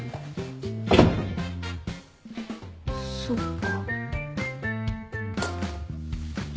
そっか。